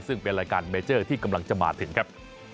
ซึ่งเป็นรายการเมเจอร์ที่กำลังจะมาถึงครับ